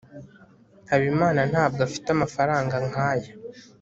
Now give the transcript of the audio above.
habimana ntabwo afite amafaranga nkaya